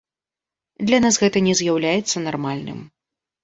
Для нас гэта не з'яўляецца нармальным.